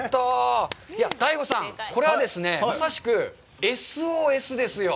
ＤＡＩＧＯさん、これはですね、まさしくＳＯＳですよ。